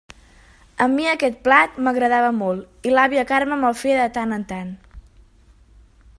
A mi aquest plat m'agradava molt i l'àvia Carme me'l feia de tant en tant.